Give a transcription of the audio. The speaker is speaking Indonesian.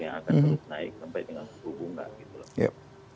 yang akan terus naik sampai dengan suku bunga gitu loh